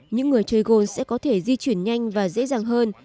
những người chơi gồn sẽ có thể di chuyển nhanh và dễ dàng hơn